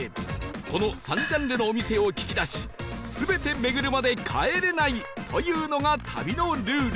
この３ジャンルのお店を聞き出し全て巡るまで帰れないというのが旅のルール